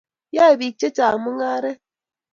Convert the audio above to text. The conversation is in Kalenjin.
yoe biik chechang' mung'aret